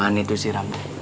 mana itu si ram